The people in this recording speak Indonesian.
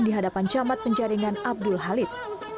di hadapan camat penjaringan abdul halid